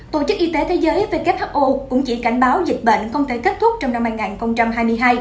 tổ chức y tế thế giới who cũng chỉ cảnh báo dịch bệnh không thể kết thúc trong năm hai nghìn hai mươi hai